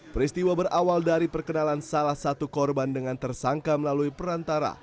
peristiwa berawal dari perkenalan salah satu korban dengan tersangka melalui perantara